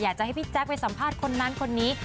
อยากจะให้พี่แจ๊คไปสัมภาษณ์คนนั้นคนนี้